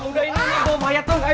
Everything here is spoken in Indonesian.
udah ini lo bahaya tau nggak